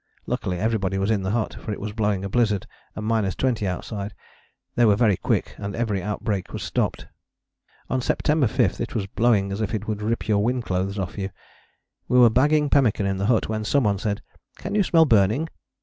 Luckily everybody was in the hut, for it was blowing a blizzard and minus twenty outside. They were very quick, and every outbreak was stopped. On September 5 it was blowing as if it would rip your wind clothes off you. We were bagging pemmican in the hut when some one said, "Can you smell burning?"